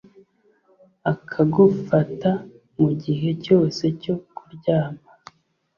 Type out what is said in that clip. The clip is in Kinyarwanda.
akagufata mugihe cyose cyo kuryama